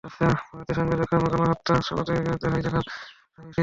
জাতিসংঘে যখন গণহত্যা সনদটি গৃহীত হয়, তখনো রাজনৈতিক জোটবদ্ধতার বিষয় ছিল।